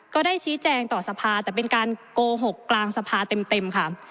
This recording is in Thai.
ก็ได้ชี้แจงต่อสภาแต่เป็นการโกหกกลางสภาเต็มค่ะ